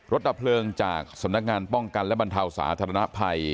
ดับเพลิงจากสำนักงานป้องกันและบรรเทาสาธารณภัย